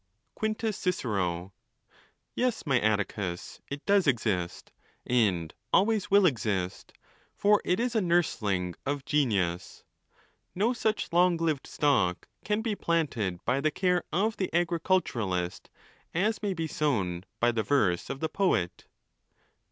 Quintus Cicero.—Yes, my Atticus, it does exist, and always will exist, for it is a nursling of genius. No such long lived stock can be planted by the care of the agriculturist as may be sown by the verse of the poet.